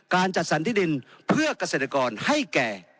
จัดสรรที่ดินเพื่อเกษตรกรให้แก่